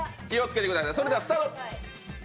それではスタート。